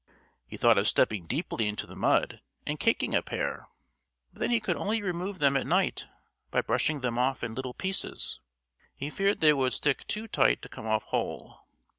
He thought of stepping deeply into the mud and caking a pair, but then he could only remove them at night by brushing them off in little pieces; he feared they would stick too tight to come off whole.